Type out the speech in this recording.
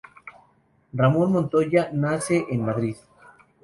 Ramón Montoya nace en Madrid.